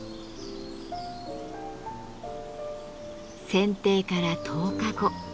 剪定から１０日後。